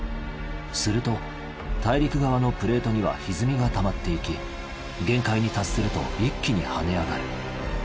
すると大陸側のプレートにはひずみがたまっていき限界に達すると一気に跳ね上がる。